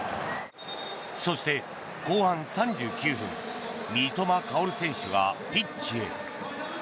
そして、後半３９分三笘薫選手がピッチへ。